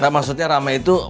maksudnya ramai itu